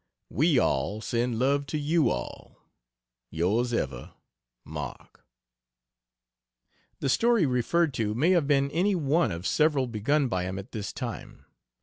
We all send love to you all. Yrs ever MARK. The "story" referred to may have been any one of several begun by him at this time.